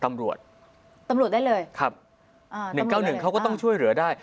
ตำรวจได้เลยครับตำรวจได้เลยครับอ่าตำรวจได้เลยครับ๑๙๑เขาก็ต้องช่วยเหลือได้